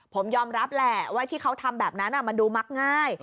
ผมยอมรับแหละว่าที่เขาทำแบบนั้นมันดูมักง่าย